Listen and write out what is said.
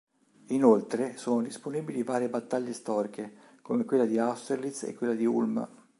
Inoltre, sono disponibili varie battaglie storiche, come quella di Austerlitz e quella di Ulm.